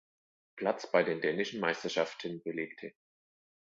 Platz bei den dänischen Meisterschaften belegte.